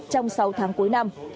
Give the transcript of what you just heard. trong sáu tháng cuối năm